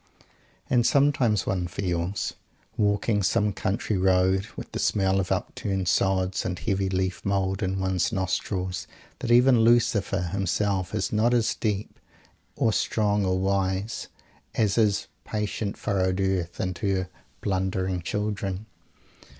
And sometimes one feels, walking some country road, with the smell of upturned sods and heavy leaf mould in one's nostrils, that even Lucifer himself is not as deep or strong or wise as is patient furrowed earth and her blundering children.